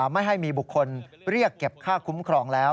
ไม่ให้มีบุคคลเรียกเก็บค่าคุ้มครองแล้ว